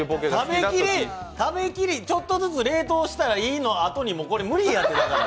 食べきり、ちょっとずつ冷凍したらいいのあとに、これ、無理やて！